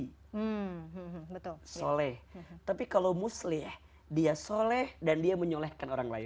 hmm betul soleh tapi kalau muslih dia soleh dan dia menyolehkan orang lain